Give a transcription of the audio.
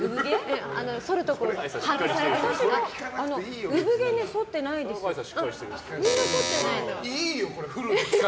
そるところ把握されてますか？